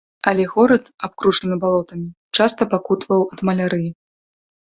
Але горад, абкружаны балотамі, часта пакутаваў ад малярыі.